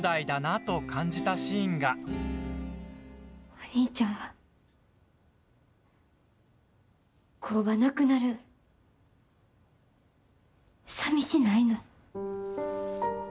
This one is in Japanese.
お兄ちゃんは工場なくなるさみしないの？